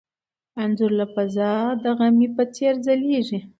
انځور له فضا د غمي په څېر ځلېږي.